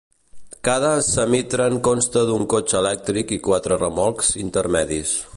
Cada semitren consta d'un cotxe elèctric i quatre remolcs intermedis.